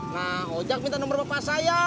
nah ojek minta nomor bapak saya